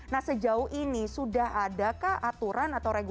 nah ini harus naik